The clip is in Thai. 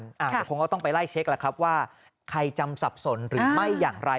เดี๋ยวคงก็ต้องไปไล่เช็คแล้วครับว่าใครจำสับสนหรือไม่อย่างไร